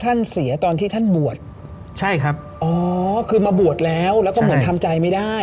ที่ท่านบวชใช่ครับอ๋อคือมาบวชแล้วใช่แล้วก็เหมือนทำใจไม่ได้